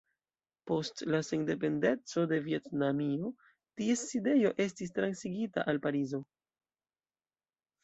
Post la sendependeco de Vjetnamio, ties sidejo estis transigita al Parizo.